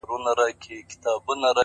• نن دي د دښتونو پر لمنه رمې ولیدې,